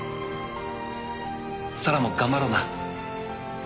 紗良も頑張ろうな。